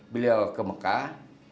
beliau ke mekah